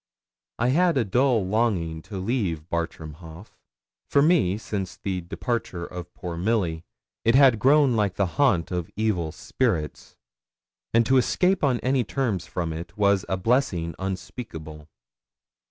I had a dull longing to leave Bartram Haugh. For me, since the departure of poor Milly, it had grown like the haunt of evil spirits, and to escape on any terms from it was a blessing unspeakable.